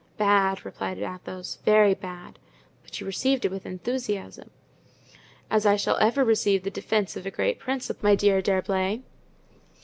"Bad," replied Athos, "very bad." "But you received it with enthusiasm." "As I shall ever receive the defense of a great principle, my dear D'Herblay.